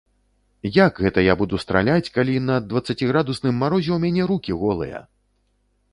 Як гэта я буду страляць, калі на дваццаціградусным марозе ў мяне рукі голыя?